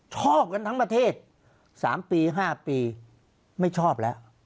ชอบกันทั้งประเทศ๓ปี๕ปีไม่ชอบแล้ว